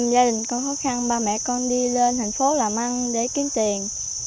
gia đình con khó khăn ba mẹ con đi lên thành phố làm ăn để kiếm tiền